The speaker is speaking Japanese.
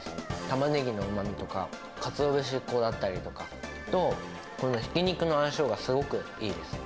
タマネギのうまみとか、かつお節粉だったりとかと、このひき肉の相性がすごくいいですね。